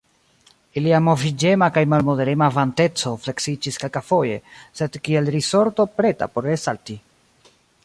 Ilia moviĝema kaj malmoderema vanteco fleksiĝis kelkafoje, sed kiel risorto preta por resalti.